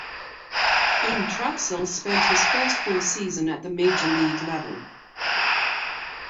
In Trachsel spent his first full season at the Major League level.